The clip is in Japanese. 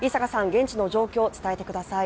現地の状況を伝えてください。